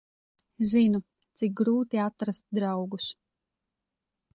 Zinu, cik grūti atrast draugus.